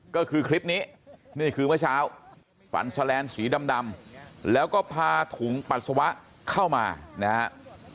ก็คือคลิปนี้นี่คือเมื่อเช้าฝันแสลนด์สีดำแล้วก็พาถุงปัสสาวะเข้ามานะครับ